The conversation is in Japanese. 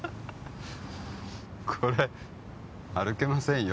これ歩けませんよ